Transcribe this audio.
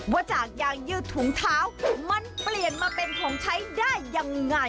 ว่าจากยางยืดถุงเท้ามันเปลี่ยนมาเป็นของใช้ได้ยังไง